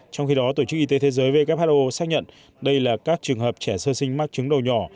trong khi đó tổ chức y tế thế giới who xác nhận đây là các trường hợp trẻ sơ sinh mắc chứng đầu nhỏ